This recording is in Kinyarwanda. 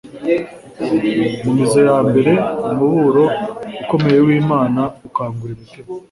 Mu mizo ya mbere umuburo ukomeye w'Imana ukangura imitima.